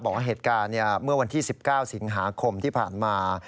บอกว่าเหตุการณ์เมื่อวันที่๑๙สิงหาคมที่ผ่านมา